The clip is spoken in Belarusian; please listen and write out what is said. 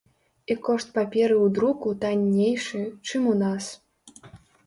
І кошт паперы і друку таннейшы, чым у нас.